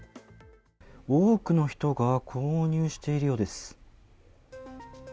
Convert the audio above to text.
多くの人が購入しているようです。